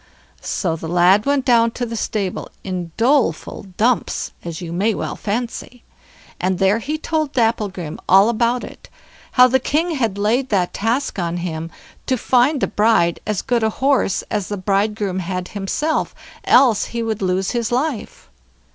So the lad went down to the stable in doleful dumps, as you may well fancy, and there he told Dapplegrim all about it; how the king had laid that task on him, to find the bride as good a horse as the bridegroom had himself, else he would lose his life.